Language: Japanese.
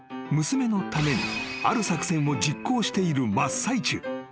［娘のためにある作戦を実行している真っ最中］